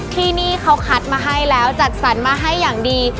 ที่นี่เขาคัดมาให้แล้วจัดสรรมาให้อย่างดี